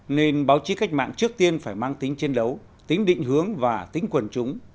nên báo chí cách mạng trước tiên phải mang tính chiến đấu tính định hướng và tính quần chúng